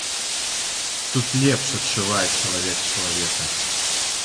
Тут лепш адчувае чалавек чалавека.